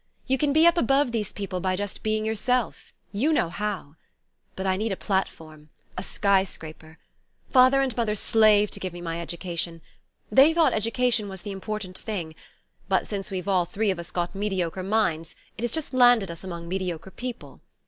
You can be up above these people by just being yourself; you know how. But I need a platform a sky scraper. Father and mother slaved to give me my education. They thought education was the important thing; but, since we've all three of us got mediocre minds, it has just landed us among mediocre people.